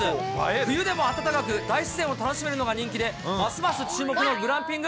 冬でも暖かく、大自然を楽しめるのが人気で、ますます注目のグランピング。